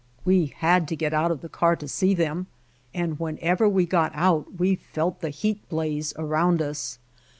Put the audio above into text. We had to get out of the car to see them, and whenever we got out we felt the heat blaze around us.